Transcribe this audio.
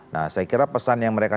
nah saya kira pesan yang mereka